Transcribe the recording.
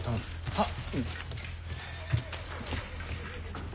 はっ。